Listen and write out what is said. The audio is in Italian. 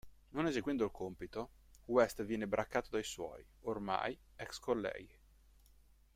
Non eseguendo il compito, West viene braccato dai suoi, ormai, ex colleghi.